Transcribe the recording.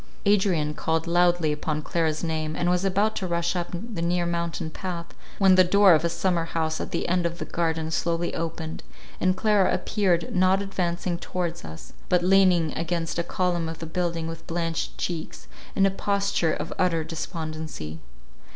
Adrian called loudly upon Clara's name, and was about to rush up the near mountain path, when the door of a summer house at the end of the garden slowly opened, and Clara appeared, not advancing towards us, but leaning against a column of the building with blanched cheeks, in a posture of utter despondency.